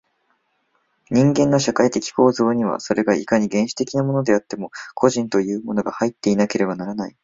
人間の社会的構造には、それがいかに原始的なものであっても、個人というものが入っていなければならない。